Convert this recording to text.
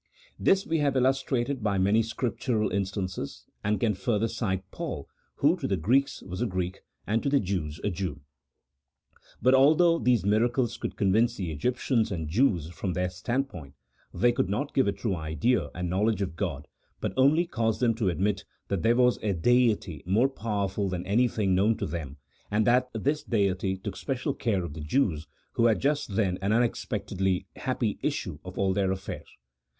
This we have illustrated by many Scriptural instances, and can further cite Paul, who to the Greeks was a Greek, and to the Jews a Jew. But although these miracles could convince the Egyptians and Jews from their standpoint, they could not give a true idea and knowledge of God, but only cause them to admit that there was a Deity more powerful than anything known to them, and that this Deity took special care of the Jews, who had just then an unex pectedly happy issue of all their affairs.